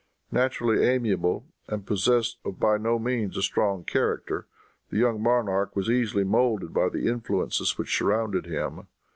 Naturally amiable, and possessed of by no means a strong character, the young monarch was easily moulded by the influences which surrounded him.